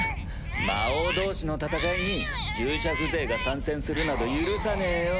魔王同士の戦いに従者風情が参戦するなど許さねえよ。